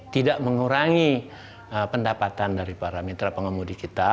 tidak mengurangi pendapatan dari para mitra pengemudi kita